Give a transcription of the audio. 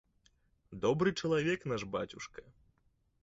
Добры чалавек наш бацюшка.